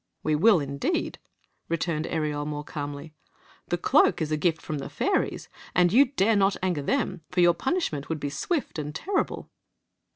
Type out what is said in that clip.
"We will, indeed," returned Ereol, more calmly. "The cloak is a gift from the fairies; and you dare mA anger them, for your puni^ment would be swift and terrible.